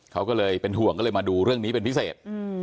เขาก็เลยเป็นห่วงก็เลยมาดูเรื่องนี้เป็นพิเศษ